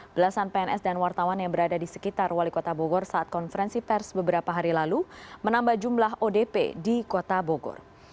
belasan pns dan wartawan yang berada di sekitar wali kota bogor saat konferensi pers beberapa hari lalu menambah jumlah odp di kota bogor